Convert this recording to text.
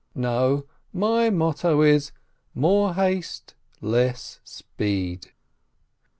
No, my motto is, "More haste, less speed."